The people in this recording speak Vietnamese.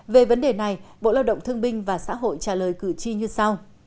về vấn đề này bộ lao động thương binh và xã hội trả lời cử tri như sau